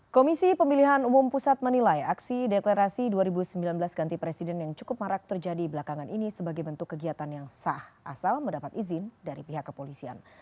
komisi pemilihan umum pusat menilai aksi deklarasi dua ribu sembilan belas ganti presiden yang cukup marak terjadi belakangan ini sebagai bentuk kegiatan yang sah asal mendapat izin dari pihak kepolisian